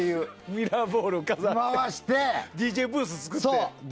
ミラーボールを回してＤＪブース作って。